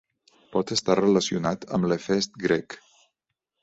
Pot estar relacionat amb l'Hefest grec.